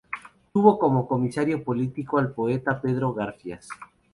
Tuvo como comisario político al poeta Pedro Garfias.